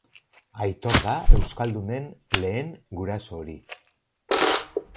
Aitor da euskaldunen lehen guraso hori.